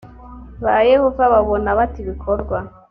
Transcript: ba yehova babona bate ibikorwa